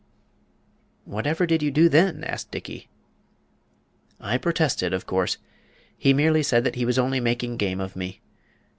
"Whatever did you do then?" asked Dickey. "I protested, of course. He merely said that he was only making game of me.